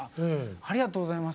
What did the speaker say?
ありがとうございます。